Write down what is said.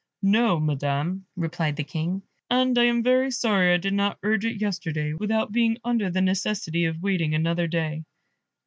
"No, Madam," replied the King, "and I am very sorry I did not urge it yesterday, without being under the necessity of waiting another day."